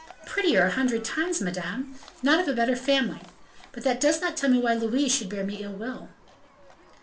"Prettier a hundred times, madame not of a better family; but that does not tell me why Louise should bear me ill will."